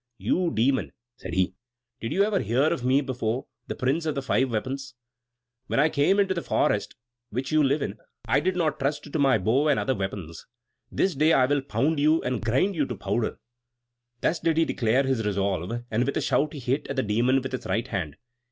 "You, Demon!" said he, "did you never hear of me before the Prince of the Five Weapons? When I came into the forest which you live in I did not trust to my bow and other weapons. This day will I pound you and grind you to powder!" Thus did he declare his resolve, and with a shout he hit at the Demon with his right hand.